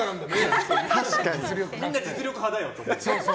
みんな実力派だよ！って。